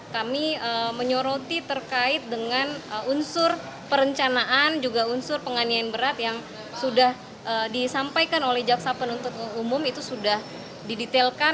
kami menyoroti terkait dengan unsur perencanaan juga unsur penganian berat yang sudah disampaikan oleh jaksa penuntut umum itu sudah didetailkan